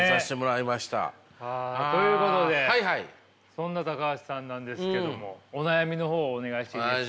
そんな橋さんなんですけどもお悩みの方お願いしていいですか？